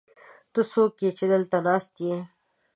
ته څوک يې، چې دلته ناست يې؟